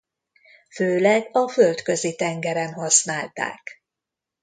Főleg a Földközi-tengeren használták.